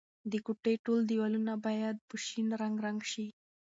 د کوټې ټول دیوالونه باید په شین رنګ رنګ شي.